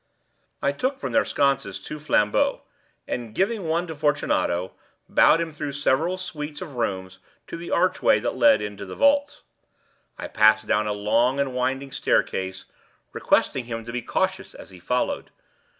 I took from their sconces two flambeaux, and giving one to Fortunato, bowed him through several suites of rooms to the archway that led into the vaults. I passed down a long and winding staircase, requesting him to be cautious as he followed.